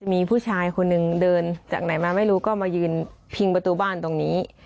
มีผู้ชายคนหนึ่งเดินจากไหนมาไม่รู้ก็มายืนพิงประตูบ้านตรงนี้